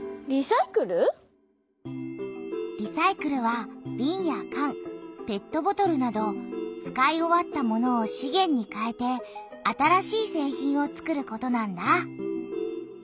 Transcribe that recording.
リサイクルはびんやかんペットボトルなど使い終わったものを「資源」にかえて新しい製品を作ることなんだ。